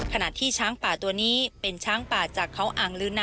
ขณะที่ช้างป่าตัวนี้เป็นช้างป่าจากเขาอ่างลืนนะ